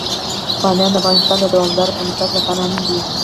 بامیان د افغانستان د دوامداره پرمختګ لپاره اړین دي.